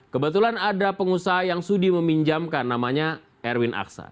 kebetulan ada pengusaha yang sudi meminjamkan namanya erwin aksa